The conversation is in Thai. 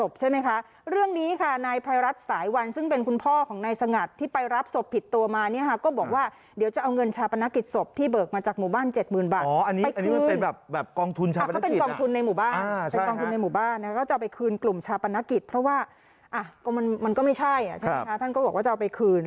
เพราะว่ามันก็ไม่ใช่ท่านก็บอกว่าจะเอาไปคืน